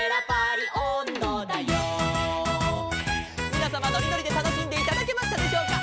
「みなさまのりのりでたのしんでいただけましたでしょうか」